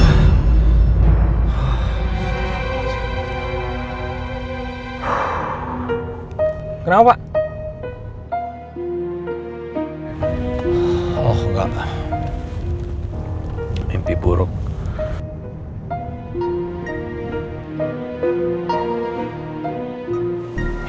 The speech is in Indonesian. ya tuhan kenapa aku masih ingat kecil kecil